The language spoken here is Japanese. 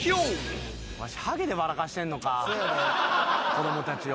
子供たちを。